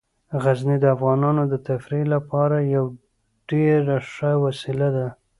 غزني د افغانانو د تفریح لپاره یوه ډیره ښه وسیله ده.